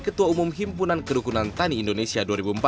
ketua umum himpunan kerukunan tani indonesia dua ribu empat belas